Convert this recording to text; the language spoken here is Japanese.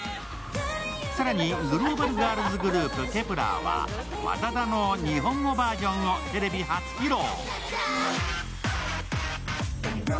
更に、グローバルガールズグループＫｅｐ１ｅｒは「ＷＡＤＡＤＡ」の日本語バージョンをテレビ初披露。